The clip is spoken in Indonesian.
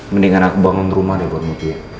mendingan aku bangun rumah deh buat mu dia